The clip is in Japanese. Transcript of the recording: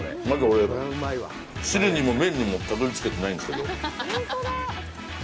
まず、俺、汁にも、麺にもたどり着けてないんですけど。